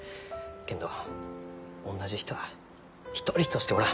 けんどおんなじ人は一人としておらん。